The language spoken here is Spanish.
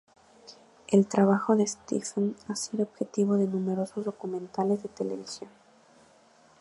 El trabajo de Stephen ha sido objeto de numerosos documentales de televisión.